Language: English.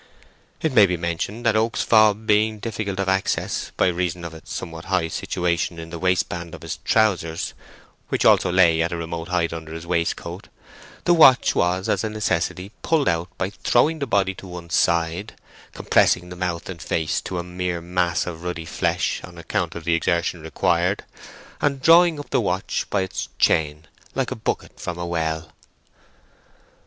It may be mentioned that Oak's fob being difficult of access, by reason of its somewhat high situation in the waistband of his trousers (which also lay at a remote height under his waistcoat), the watch was as a necessity pulled out by throwing the body to one side, compressing the mouth and face to a mere mass of ruddy flesh on account of the exertion required, and drawing up the watch by its chain, like a bucket from a well.